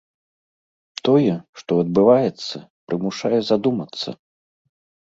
Тое, што адбываецца, прымушае задумацца.